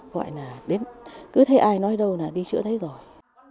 gọi là đến cứ thấy ai nói đâu là đi chữa đấy rồi